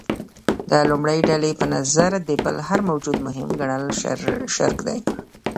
د لومړۍ ډلې په نظر د بل هر موجود مهم ګڼل شرک دی.